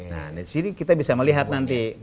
nah disini kita bisa melihat nanti